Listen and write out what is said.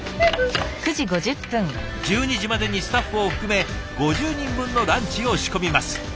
１２時までにスタッフを含め５０人分のランチを仕込みます。